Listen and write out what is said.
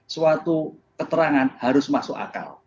suatu keterangan harus masuk akal